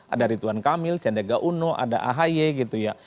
ada ridwan kamil sandiaga uno ada ahaye gitu ya